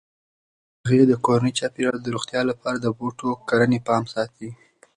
هغې د کورني چاپیریال د روغتیا لپاره د بوټو کرنې پام ساتي.